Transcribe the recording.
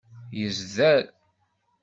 Yezder.